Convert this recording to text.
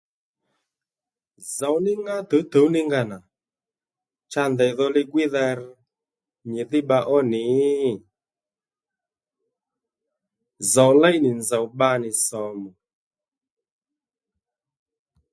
Zòw ní ŋá tǔwtǔw ní nga nà cha ndèy dho li-gwíydha rr nyìdhí bba ó nì? Zòw léy nì nzòw bba nì sǒmù